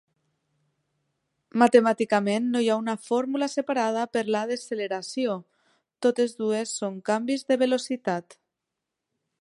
Matemàticament, no hi ha una fórmula separada per la desceleració: totes dues són canvis de velocitat.